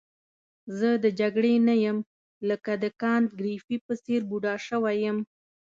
زه د جګړې نه یم لکه د کانت ګریفي په څېر بوډا شوی یم.